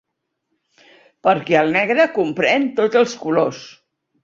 Perquè el negre comprèn tots els colors.